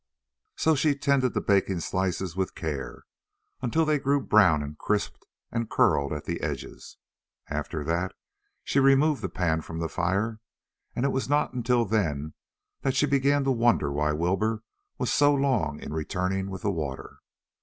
So she tended the bacon slices with care until they grew brown and crisped and curled at the edges. After that she removed the pan from the fire, and it was not until then that she began to wonder why Wilbur was so long in returning with the water.